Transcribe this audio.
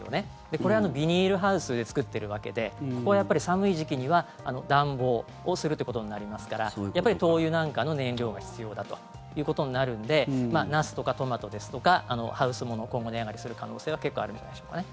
これはビニールハウスで作っているわけでここは寒い時期には暖房をするということになりますからやっぱり灯油なんかの燃料が必要だということになるのでナスとかトマトですとかハウス物今後値上がりする可能性は結構あるんじゃないですかね。